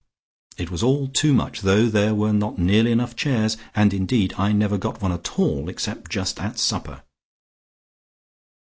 It was all too much, though there were not nearly enough chairs, and indeed I never got one at all except just at supper."